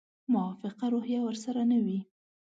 موافقه روحیه ورسره نه وي.